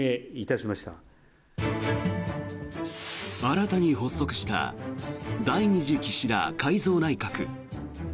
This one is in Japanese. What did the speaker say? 新たに発足した第２次岸田改造内閣。